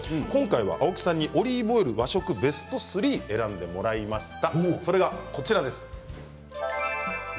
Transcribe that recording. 青木さんにオリーブオイルと和食ベスト３を選んでもらいました。